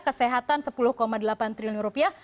kesehatan sepuluh delapan triliun rupiah